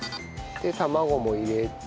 卵も入れて。